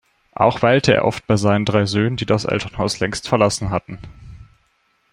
Auch weilte er oft bei seinen drei Söhnen, die das Elternhaus längst verlassen hatten.